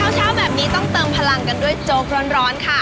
เช้าแบบนี้ต้องเติมพลังกันด้วยโจ๊กร้อนค่ะ